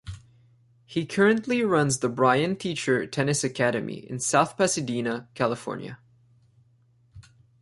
He currently runs the Brian Teacher Tennis Academy in South Pasadena, California.